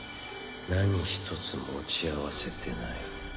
何一つ持ち合わせてない。